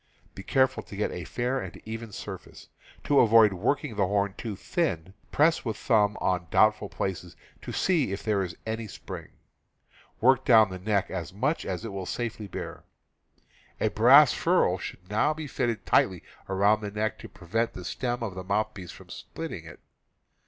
Be careful to get a fair and even surface. To avoid work ing the horn too thin, press with thumb on doubtful places to see if there is any spring. Work down the neck as much as it will safely bear. A brass ferrule TANNING PELTS 295 should now be fitted tighly around the neck to prevent the stem of the mouthpiece from splitting it.